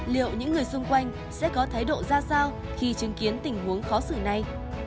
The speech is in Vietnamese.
liệu những người xung quanh sẽ có thái độ ra sao khi chứng kiến tình huống khó xử này